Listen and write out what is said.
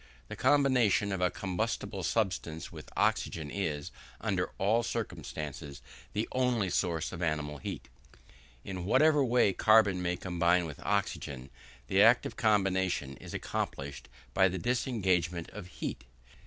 The combination of a combustible substance with oxygen is, under all circumstances, the only source of animal heat. In whatever way carbon may combine with oxygen, the act of combination is accompanied by the disengagement of heat.